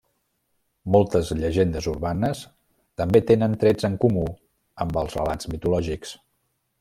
Moltes llegendes urbanes també tenen trets en comú amb els relats mitològics.